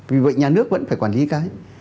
vì vậy nhà nước vẫn phải quản lý cái